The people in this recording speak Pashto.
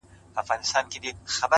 • ما جوړ كړي په قلاوو كي غارونه,